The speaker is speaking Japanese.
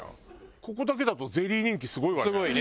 ここだけだとゼリー人気すごいわね。